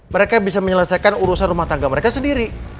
mereka bisa menyelesaikan urusan rumah tangga mereka sendiri